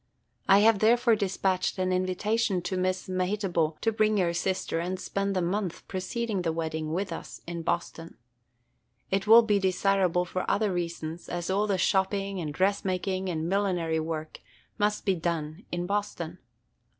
I have therefore despatched an invitation to Miss Mehitable to bring your sister and spend the month preceding the wedding with us in Boston. It will be desirable for other reasons, as all the shopping and dressmaking and millinery work must be done in Boston.